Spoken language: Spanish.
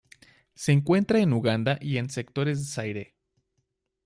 Se encuentra en Uganda y en sectores de Zaire.